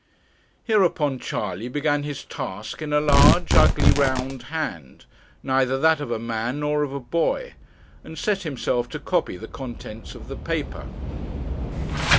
Hereupon Charley began his task in a large, ugly, round hand, neither that of a man nor of a boy, and set himself to copy the contents of the paper.